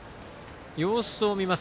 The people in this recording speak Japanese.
様子を見ます。